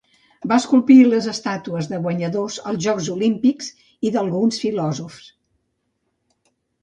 Va esculpir les estàtues de guanyadors als jocs olímpics i d'alguns filòsofs.